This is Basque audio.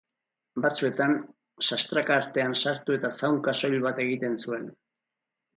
Batzuetan, sastraka artean sartu eta zaunka soil bat egiten zuen.